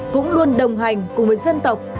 cũng luôn đồng hành cùng với dân tộc